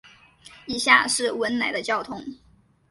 以下是文莱的交通